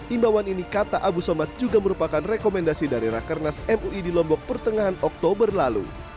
imbauan ini kata abu somad juga merupakan rekomendasi dari rakernas mui di lombok pertengahan oktober lalu